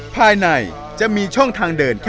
ภายในจะมีช่องทางเดิน